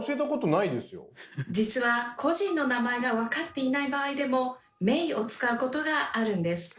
実は個人の名前が分かっていない場合でも「名」を使うことがあるんです。